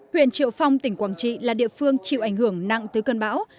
huyện triệu phong tỉnh quảng trị là địa phương chịu ảnh hưởng nặng từ cơn bão